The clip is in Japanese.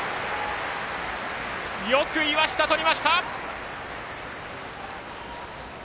よく岩下とりました。